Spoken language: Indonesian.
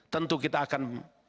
tentu kita akan